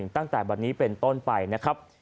ตั้งแต่วันนี้เป็นต้นไปนะครับ